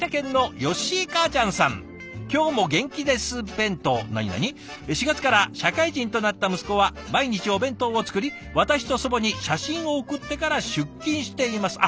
続いて何何「４月から社会人となった息子は毎日お弁当を作り私と祖母に写真を送ってから出勤しています」。